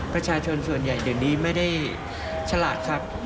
ประชาชนส่วนใหญ่เดี๋ยวนี้ไม่ได้ฉลาดครับ